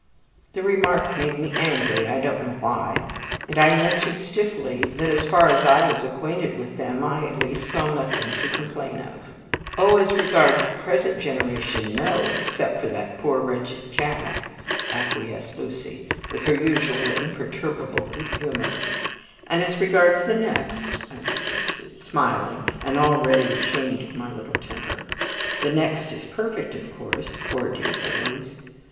The remark made me angry, I don't know why, and I answered stiffly, that as far as I was acquainted with them, I at least saw nothing to complain of. "Oh, as regards the present generation, no, except for that poor, wretched Jack," acquiesced Lucy, with her usual imperturbable good humor. "And as regards the next?" I suggested, smiling, and already ashamed of my little temper. "The next is perfect, of course, poor dear boys."